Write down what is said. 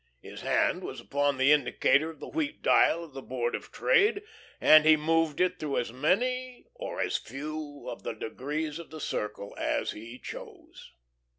His hand was upon the indicator of the wheat dial of the Board of Trade, and he moved it through as many or as few of the degrees of the circle as he chose.